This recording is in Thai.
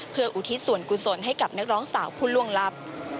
เพื่ออุทิศส่วนกุศลให้กับนักร้องสาวผู้ล่วงลับ